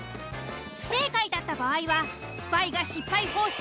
不正解だった場合はスパイが失敗報酬